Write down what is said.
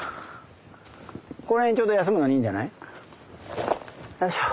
ここら辺ちょうど休むのにいいんじゃない？よいしょ。